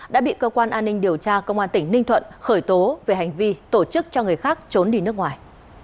đã bị cơ quan an ninh điều tra công an tỉnh ninh thuận khởi tố về hành vi tổ chức cho người khác trốn đi nước ngoài